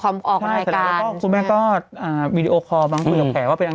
ความออกอาการคุณแม่ก็อ่าวีดีโอคอร์บางคนเขียวแขกว่าเป็น